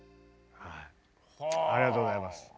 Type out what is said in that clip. ありがとうございます。